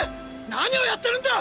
何をやってるんだ！